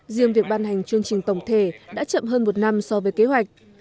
riêng việc ban hành chương trình tổng thể đã chậm hơn một năm so với kế hoạch